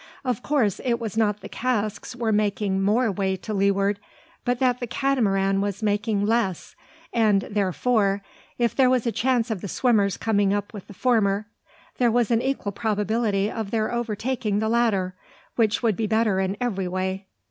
Of course, it was not that the casks were making more way to leeward, but that the Catamaran was making less; and, therefore, if there was a chance of the swimmers coming up with the former, there was an equal probability of their overtaking the latter, which would be better in every way.